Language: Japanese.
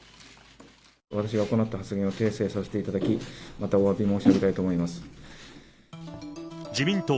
私が行った発言を訂正させていただき、またおわび申し上げた自民党